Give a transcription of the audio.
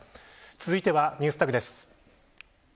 続いてはＮｅｗｓＴａｇです。